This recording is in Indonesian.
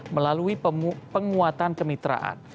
melalui penguatan kemitraan